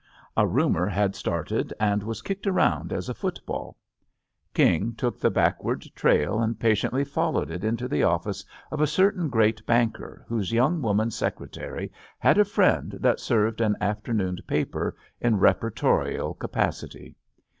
A rumor had started and was kicked around as a foot ball. King took the backward trail and pa tiently followed it into the office of a certain great banker, whose young woman secretary had a friend that served an afternoon paper in reportorial capacity.